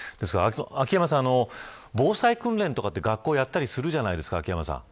秋山さん、防災訓練とかって学校がやったりするじゃないですか。